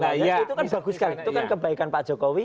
itu kan bagus sekali itu kan kebaikan pak jokowi